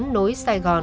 nối sài gòn